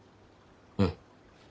うん。